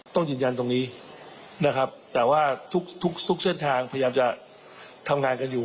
ต้องยืนยันตรงนี้นะครับแต่ว่าทุกทุกเส้นทางพยายามจะทำงานกันอยู่